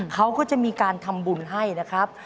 เขาก็จะมีการทำบุญให้นะครับ